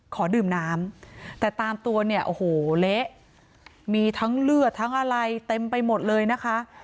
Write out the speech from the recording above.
ขอดื่มน้ำแต่ตามตัวเนี่ยโอ้โหเละมีทั้งเลือดทั้งอะไรเต็มไปหมดเลยนะคะ